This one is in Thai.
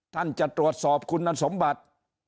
ท่านจะตรวจสอบคุณสมบัติ